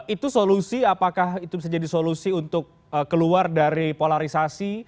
itu solusi apakah itu bisa jadi solusi untuk keluar dari polarisasi